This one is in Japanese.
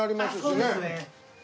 あっそうですね。